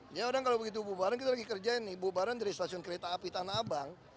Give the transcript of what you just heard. jadi orang kalau begitu bubaran kita lagi kerjain nih bubaran dari stasiun kereta api tanah abang